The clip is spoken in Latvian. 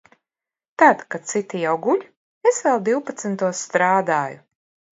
Tad, kad citi jau guļ, es vēl divpadsmitos strādāju.